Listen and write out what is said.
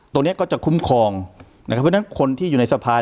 ตัวนี้ก็จะคุ้มครองนะครับเพราะฉะนั้นคนที่อยู่ในสภา